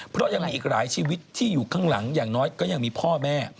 เพราะยังมีอีกหลายชีวิตที่อยู่ข้างหลังอย่างน้อยก็ยังมีพ่อแม่